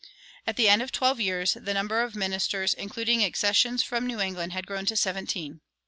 At the end of twelve years the number of ministers, including accessions from New England, had grown to seventeen.